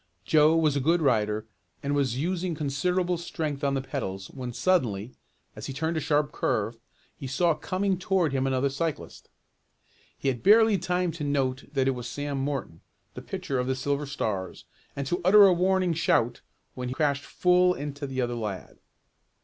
Joe was a good rider and was using considerable strength on the pedals when suddenly, as he turned a sharp curve, he saw coming toward him another cyclist. He had barely time to note that it was Sam Morton, the pitcher of the Silver Stars, and to utter a warning shout when he crashed full into the other lad.